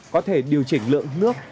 có thể điều chỉnh lượng nước